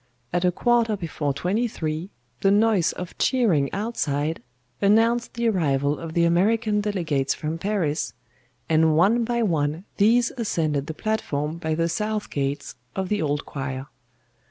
At a quarter before twenty three, the noise of cheering outside announced the arrival of the American delegates from Paris, and one by one these ascended the platform by the south gates of the Old Choir.